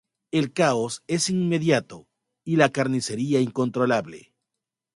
El caos es inmediato y la carnicería incontrolable.